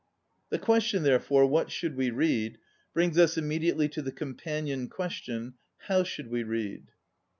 The question, therefore. What should we read? brings us immedi ately to the companion question: How should we read?